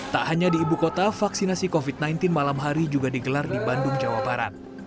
tak hanya di ibu kota vaksinasi covid sembilan belas malam hari juga digelar di bandung jawa barat